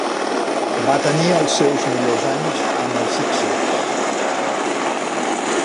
Va tenir els seus millors anys amb els Sixers.